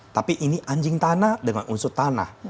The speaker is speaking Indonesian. tapi ini anjing tanah dengan unsur tanah